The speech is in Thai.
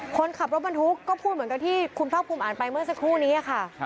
คนขับรถบรรทุกก็พูดเหมือนกับที่คุณภาคภูมิอ่านไปเมื่อสักครู่นี้ค่ะ